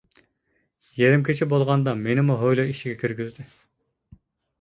يېرىم كېچە بولغاندا مېنىمۇ ھويلا ئىچىگە كىرگۈزدى.